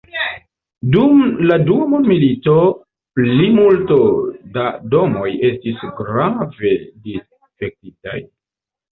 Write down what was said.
Dum la dua mondmilito plimulto da domoj estis grave difektitaj.